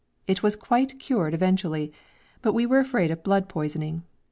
It was quite cured eventually, but we were afraid of blood poisoning.